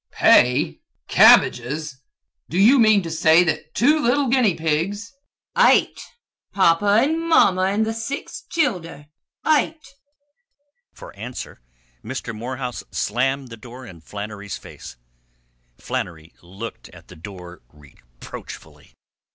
"Pay Cabbages !" gasped Mr. Morehouse. "Do you mean to say that two little guinea pigs " "Eight!" said Flannery. "Papa an' mamma an' the six childer. Eight!" For answer Mr. Morehouse slammed the door in Flannery's face. Flannery looked at the door reproachfully.